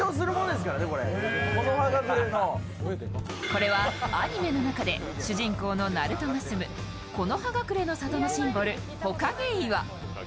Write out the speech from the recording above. これはアニメの中で主人公のナルトが住む木ノ葉隠れの里のシンボル、火影岩